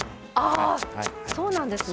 あそうなんですね。